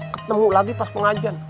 ketemu lagi pas pengajian